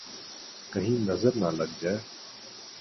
!کہیں نظر نہ لگ جائے